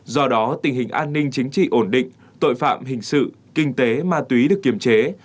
do đó tình hình an ninh chính trị ổn định tội phạm hình sự kinh tế ma túy được kiềm chế